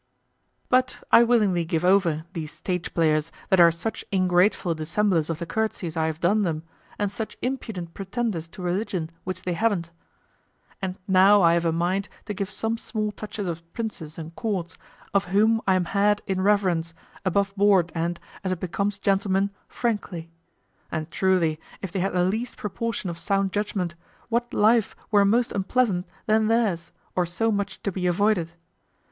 But I willingly give over these stage players that are such ingrateful dissemblers of the courtesies I have done them and such impudent pretenders to religion which they haven't. And now I have a mind to give some small touches of princes and courts, of whom I am had in reverence, aboveboard and, as it becomes gentlemen, frankly. And truly, if they had the least proportion of sound judgment, what life were more unpleasant than theirs, or so much to be avoided?